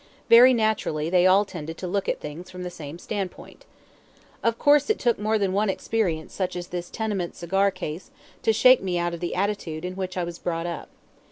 Very naturally they all tended to look at things from the same standpoint. Of course it took more than one experience such as this Tenement Cigar Case to shake me out of the attitude in which I was brought up.